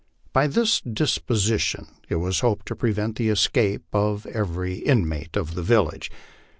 By this disposition .it was hoped to prevent the escape of every inmate of the village.